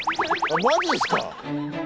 マジすか！？